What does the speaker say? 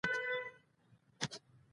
استاد د شاګرد باور ته ارزښت ورکوي.